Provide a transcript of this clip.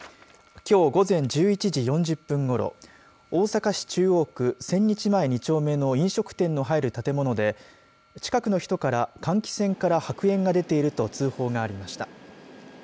きょう午前１１時４０分ごろ大阪市中央区千日前２丁目の飲食店の入る建物で近くの人から換気扇から白煙が出ていると通報がありました。